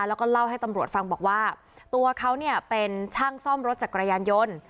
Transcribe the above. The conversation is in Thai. แล้วก็เล่าให้ตำรวจฟังบอกว่าตัวเขาเนี่ยเป็นช่างซ่อมรถจักรยานยนต์